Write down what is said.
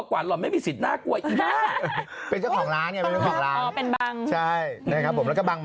ทำไมต้องเป็นบังอ่ะ